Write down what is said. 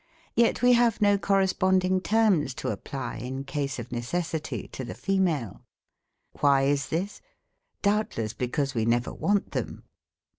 Yet we have no correspon ding terms to apply, in case of necessity, to the female. Why is this ? Doubtless because we never want them.